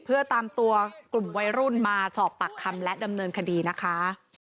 เพื่อตามตัวกลุ่มวัยรุ่นมาสอบปากคำและดำเนินคดีนะคะ